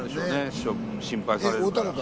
師匠に心配かけるから。